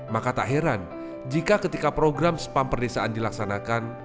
maka tak heran jika ketika program spam perdesaan dilaksanakan